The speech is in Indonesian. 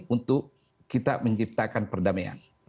untuk kita menciptakan perdamaian